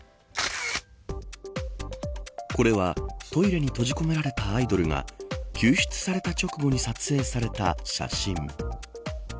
これは、トイレに閉じ込められたアイドルが救出された直後に撮影された写真。